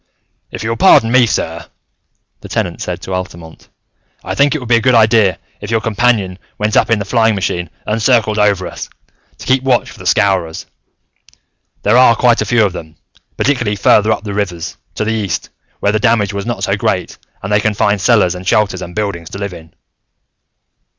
"If you will pardon me, sir," the Tenant said to Altamont, "I think it would be a good idea if your companion went up in the flying machine and circled over us, to keep watch for the Scowrers. There are quite a few of them, particularly farther up the rivers, to the east, where the damage was not so great and they can find cellars and shelters and buildings to live in."